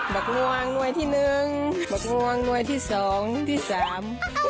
บักลวงมวยที่หนึ่งบักลวงมวยที่สองที่สาม